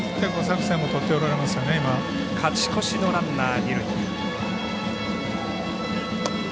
勝ち越しのランナー二塁。